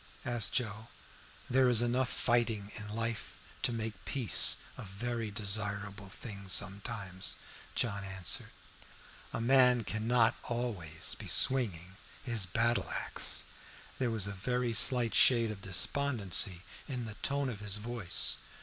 asked Joe. "There is enough fighting in life to make peace a very desirable thing sometimes," John answered. "A man cannot be always swinging his battle axe." There was a very slight shade of despondency in the tone of his voice.